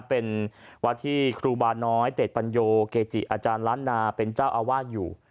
เป็นวัดที่ครูบาน้อยเต็ดปัญโยเกจิอาจารย์ล้านนาเป็นเจ้าอาวาสอยู่